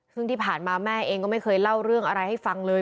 ซึ่งที่ผ่านมาแม่เองก็ไม่เคยเล่าเรื่องอะไรให้ฟังเลย